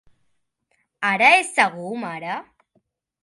Ara és segur, mare?